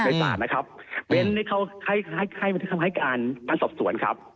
ในศาลนะครับเบ้นเนี้ยเขาให้ให้ให้ให้การท่านสอบสวนครับ